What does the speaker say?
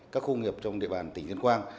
các khu công nghiệp trong địa bàn tỉnh liên quang